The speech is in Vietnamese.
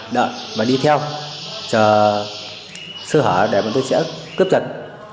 đợi và đi theo chờ sơ hở để bọn tôi sẽ cướp giật